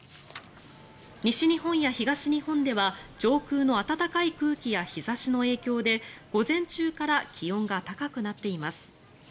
西日本や東日本では上空の暖かい空気や日差しの影響で午前中から気温が高くなっています。